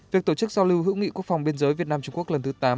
việc tổ chức giao lưu hữu nghị quốc phòng biên giới việt nam trung quốc lần thứ tám